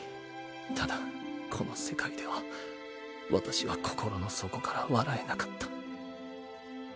ただこの世界では私は心の底から笑えなかった。